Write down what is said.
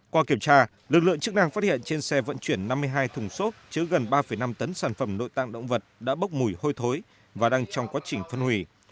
qua kiểm tra lực lượng chức năng phát hiện trên xe vận chuyển năm mươi hai thùng xốp chứa gần ba năm tấn sản phẩm nội tạng động vật đã bốc mùi hôi thối và đang trong quá trình phân hủy